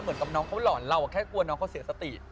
เหมือนกับน้องเขาหล่อนเราแค่กลัวน้องเขาเสียสติ